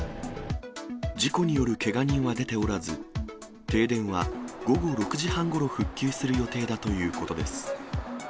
事故によるけが人は出ておらず、停電は午後６時半ごろ復旧する予定だということです。